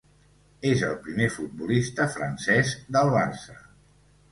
És el primer futbolista francès del Barça.